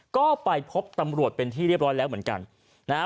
ก็ไปพบตำรวจเป็นที่เรียบร้อยแล้วเหมือนกันนะฮะ